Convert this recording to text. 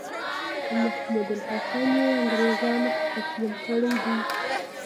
چې محمودالحسن یې انګرېزانو ته تسلیم کړی دی.